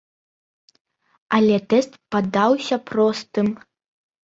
Але тэст падаўся простым.